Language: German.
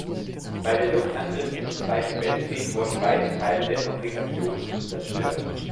Bei den Luftangriffen im Zweiten Weltkrieg wurden weite Teile der Fabrikation zerstört.